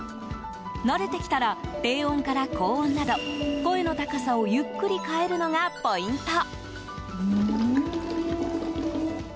慣れてきたら低音から高音など声の高さをゆっくり変えるのがポイント。